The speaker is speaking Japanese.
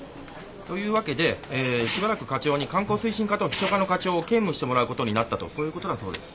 というわけでしばらく課長に観光推進課と秘書課の課長を兼務してもらうことになったとそういうことだそうです。